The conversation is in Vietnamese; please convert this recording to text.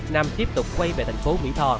nam tiếp tục quay về thành phố mỹ tho